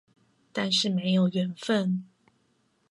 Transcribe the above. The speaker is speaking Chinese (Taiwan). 但是沒有緣分